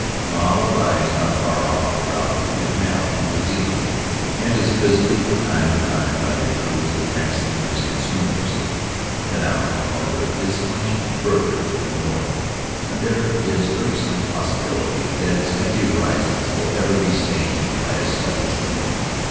Now it lies not far off the route through the Canal to New Zealand and is visited from time to time by the crews of tramp steamers and schooners. Tanao, however, is much farther to the north, and there is very slight possibility that its empty horizons will ever be stained by a smudge of smoke.